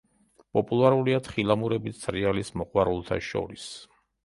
პოპულარულია თხილამურებით სრიალის მოყვარულთა შორის.